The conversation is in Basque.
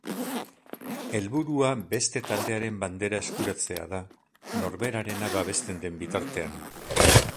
Helburua beste taldearen bandera eskuratzea da, norberarena babesten den bitartean.